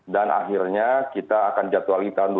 dan akhirnya kita akan jadwal di tahun dua ribu dua puluh dua